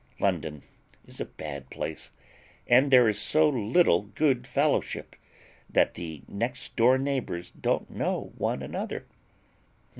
London is a bad place, and there is so little good fellowship, that the next door neighbours don't know one another.